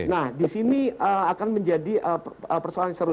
nah di sini akan menjadi persoalan seru